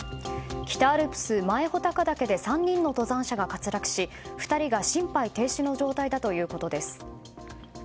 北アルプス、前穂高岳で３人の登山者が滑落し、２人が心配停止の状態だということです。